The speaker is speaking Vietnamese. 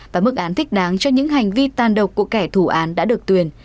và mức án thích đáng cho những hành vi tan độc của kẻ thủ án đã được tuyển